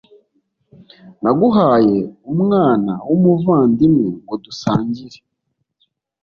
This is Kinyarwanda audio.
naguhaye umwana wumuvandimwe ngo dusangire